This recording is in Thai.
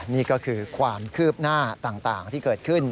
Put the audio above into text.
นี่ก็คือความคืบหน้าต่างที่เกิดขึ้น